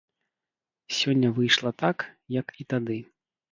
Сёння выйшла так, як і тады.